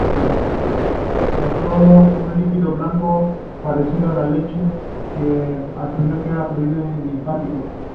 Notó un líquido blanco parecido a la leche, que asumió como fluido linfático.